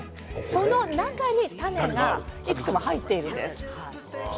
その中に種がいくつも入っているんです。